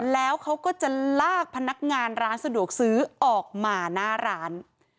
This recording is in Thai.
แล้วเขาก็จะลากพนักงานร้านสะดวกซื้อออกมาหน้าร้าน